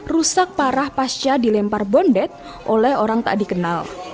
rusak parah pasca dilempar bondet oleh orang tak dikenal